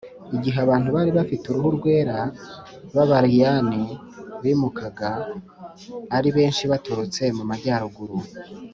igihe abantu bari bafite uruhu rwera b’abariyani bimukaga ari benshi baturutse mu majyaruguru